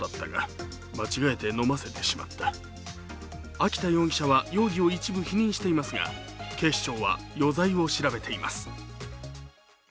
秋田容疑者は容疑を一部否認していますが、警視庁は余罪を調べています。